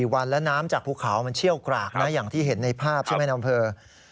วันแล้วน้ำจากภูเขามันเชี่ยวกรากนะอย่างที่เห็นในภาพใช่ไหมในอำเภอ